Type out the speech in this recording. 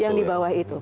yang di bawah itu